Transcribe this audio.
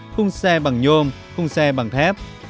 khung xe bằng nhôm khung xe bằng thép